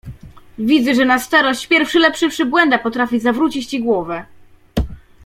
"Widzę, że na starość pierwszy lepszy przybłęda potrafi zawrócić ci głowę!"